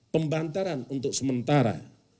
pembantaran untuk sementara